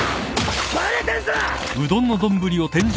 バレてんぞ！